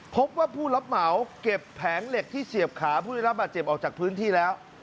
พบว่าผู้รับเหมาเก็บแผงเหล็กที่เสียบขาผู้ได้รับบาดเจ็บออกจากพื้นที่แล้ว